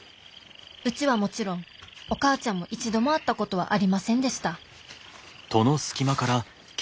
うちはもちろんお母ちゃんも一度も会ったことはありませんでした